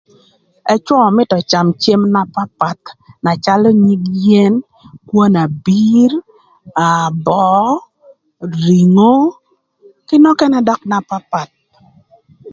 Ëcwö mito öcam cëm na papath na calö nyig yen, kwon abir, aa böö, ringo kï nökënë dök na papath